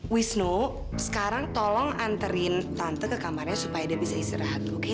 wisnu sekarang tolong anterin tante ke kamarnya supaya dia bisa istirahat